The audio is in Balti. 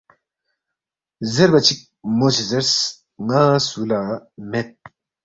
زیربا چِک مو سی زیرس، ن٘ا سُو لہ مید